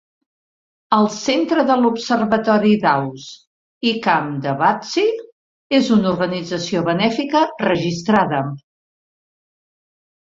El Centre de l'Observatori d'Aus i Camp de Bardsey és una organització benèfica registrada.